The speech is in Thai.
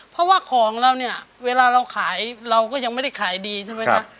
เพราะว่าของเราเนี่ยเวลาเราขายเราก็ยังไม่ได้ขายดีใช่ไหมคะ